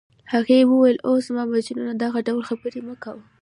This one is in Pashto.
هغې وویل: اوه، زما مجنونه دغه ډول خبرې مه کوه.